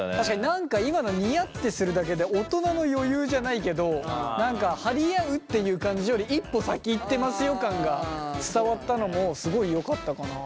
何か今のにやってするだけで「大人の余裕」じゃないけど何か張り合うっていう感じより一歩先行ってますよ感が伝わったのもすごいよかったかな。